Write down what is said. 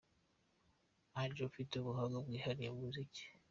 Angel afite ubuhanga bwihariye mu muziki.